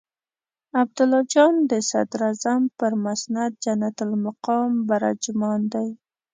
عبدالله جان د صدراعظم پر مسند جنت المقام براجمان دی.